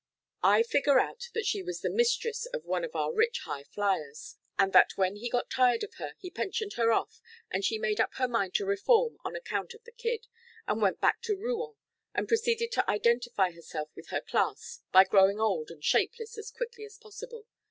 "I figure out that she was the mistress of one of our rich highfliers, and that when he got tired of her he pensioned her off, and she made up her mind to reform on account of the kid, and went back to Rouen, and proceeded to identify herself with her class by growing old and shapeless as quickly as possible.